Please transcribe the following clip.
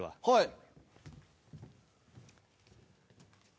はい。